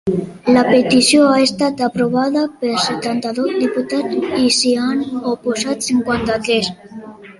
La petició ha estat aprovada per setanta-dos diputats i s’hi han oposat cinquanta-tres.